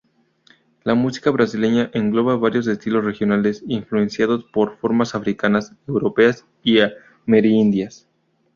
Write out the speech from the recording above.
La música brasileña engloba varios estilos regionales influenciados por formas africanas, europeas y amerindias.